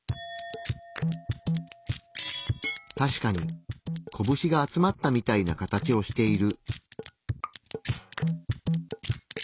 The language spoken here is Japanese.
確かにこぶしが集まったみたいな形をしている。